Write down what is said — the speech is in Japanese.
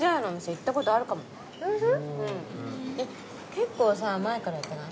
結構さ前からやってない？